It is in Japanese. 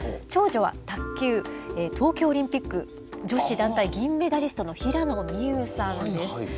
長女は卓球東京オリンピック女子団体銀メダリストの平野美宇さんです。